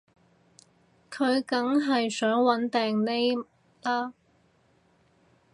佢梗係想搵掟匿喇